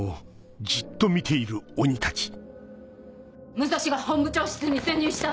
武蔵が本部長室に潜入した！